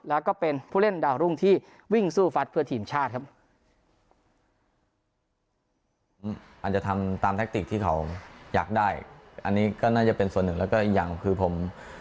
แล้วก็เป็นผู้เล่นดาวรุ่งที่วิ่งสู้ฟัดเพื่อทีมชาติครับ